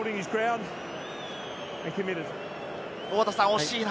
惜しいな。